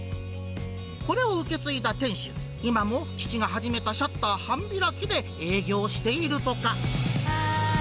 これを受け継いだ店主、今も父が始めたシャッター半開きで、営業しているとか。